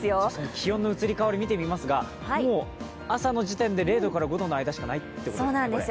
気温の移り変わり見ていきますがもう朝の時点で０度から５度の間しかないということですね。